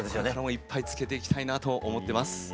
これからもいっぱいつけていきたいなと思ってます。